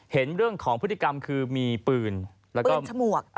เห็นเรื่องของพฤติกรรมคือมีปืนปืนฉมวก